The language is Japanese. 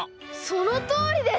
そのとおりです！